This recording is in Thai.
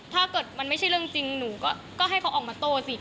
ถ้าเกิดมันไม่ใช่เรื่องจริงหนูก็ให้เขาออกมาโต้สิ